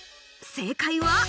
正解は。